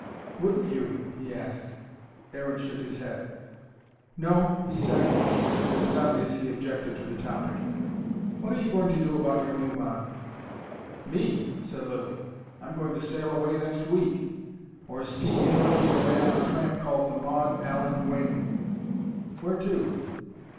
"Wouldn't you?" he asked. Aaron shook his head. "No," he said. And it was obvious he objected to the topic. "What are you going to do about your move on?" "Me!" said Lilly. "I'm going to sail away next week or steam dirtily away on a tramp called the Maud Allen Wing." "Where to?"